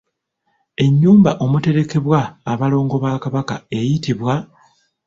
Enyumba omuterekebwa abalongo ba Kabaka eyitibwa ?